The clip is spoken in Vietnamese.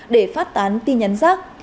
để phát tán tin nhắn giác